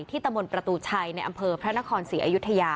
ตะมนต์ประตูชัยในอำเภอพระนครศรีอยุธยา